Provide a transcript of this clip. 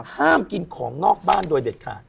ห้ามกินของนอกบ้านโดยเด็ดขาด